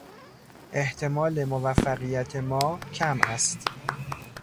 احتمال موفقیت ما کم است.